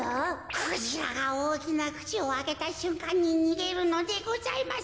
クジラがおおきなくちをあけたしゅんかんににげるのでございます。